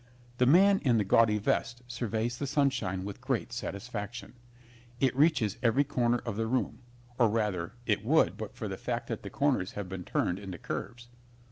The man in the gaudy vest surveys the sunshine with great satisfaction. It reaches every corner of the room, or rather it would but for the fact that the corners have been turned into curves.